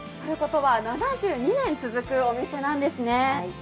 ７２年続くお店なんですね。